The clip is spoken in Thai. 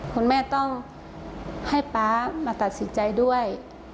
คุณแม่ต้องให้ป๊ามาตัดสินใจด้วย